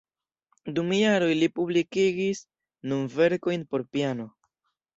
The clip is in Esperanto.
Dum jaroj li publikigis nur verkojn por piano.